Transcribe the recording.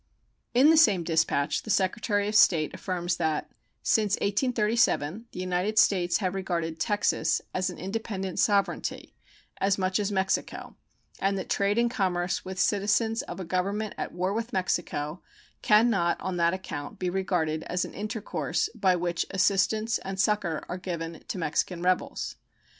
In the same dispatch the Secretary of State affirms that Since 1837 the United States have regarded Texas as an independent sovereignty as much as Mexico, and that trade and commerce with citizens of a government at war with Mexico can not on that account be regarded as an intercourse by which assistance and succor are given to Mexican rebels.